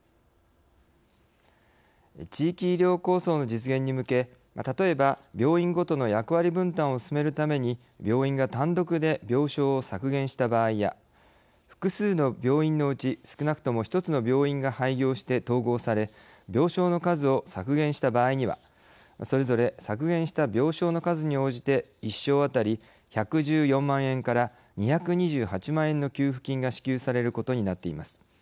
地域医療構想の実現に向け例えば病院ごとの役割分担を進めるために病院が単独で病床を削減した場合や複数の病院のうち少なくとも１つの病院が廃業して統合され病床の数を削減した場合にはそれぞれ削減した病床の数に応じて１床当たり１１４万円から２２８万円の給付金が支給されることになっています。